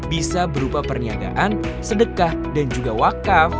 bisa berupa perniagaan sedekah dan juga wakaf